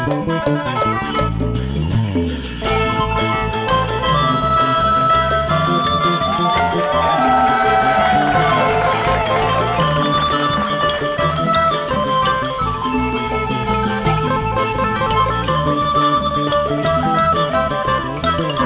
โชว์ฮีตะโครน